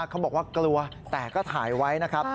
เขาบอกว่ากลัวแต่ก็ถ่ายไว้นะครับ